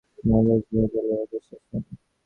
বিল্বন ঠাকুর রাজাকে কহিলেন, মহারাজ ইহাদের লইয়া বেশ আছেন।